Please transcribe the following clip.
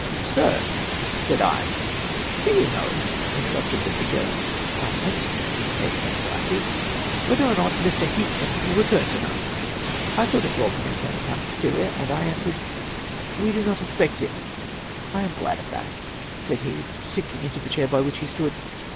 "Sir," said I. " Do you know," interrupted the figure, with a countenance that indicated anxiety, "whether or not Mr. Hinckman will return to night?" I thought it well to maintain a calm exterior, and I answered: "We do not expect him." "I am glad of that," said he, sinking into the chair by which he stood.